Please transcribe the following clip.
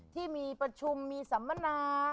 ที่มีประชุมมีสัมมนา